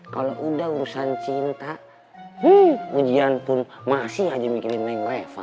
kalau udah urusan cinta ujian pun masih aja mikirin yang level